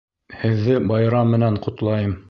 Һеҙҙе байрам менән ҡотлайым!